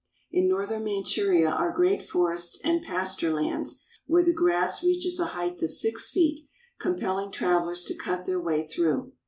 In northern Manchuria are great forests and pasture lands, where the grass reaches a height of six feet, com pelling travelers to cut their way through.